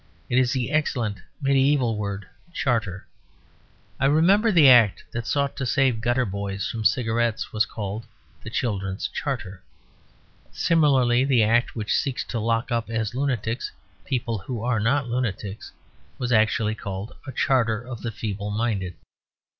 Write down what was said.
It is the excellent mediæval word "charter." I remember the Act that sought to save gutter boys from cigarettes was called "The Children's Charter." Similarly the Act which seeks to lock up as lunatics people who are not lunatics was actually called a "charter" of the feeble minded.